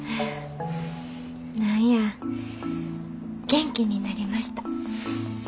何や元気になりました。